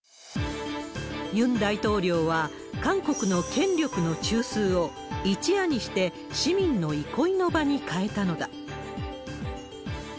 ユン大統領は、韓国の権力の中枢を、一夜にして市民の憩いの場に変えたのだ。